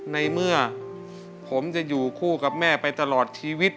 ในเมื่อผมจะอยู่คู่กับแม่ไปตลอดชีวิต